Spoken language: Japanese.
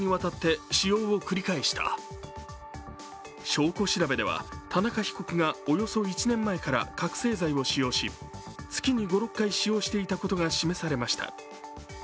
証拠調べでは田中被告がおよそ１年前から覚醒剤を使用し月に５、６回使用していたことが示されました。